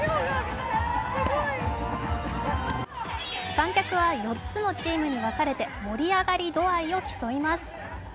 観客は４つのチームに分かれて盛り上がり度合いを競います。